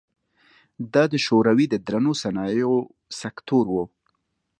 دا د شوروي د درنو صنایعو سکتور و.